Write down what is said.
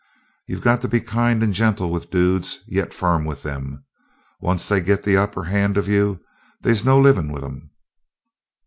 "You got to be kind and gentle with dudes, yet firm with them. Onct they git the upper hand of you they's no livin' with 'em."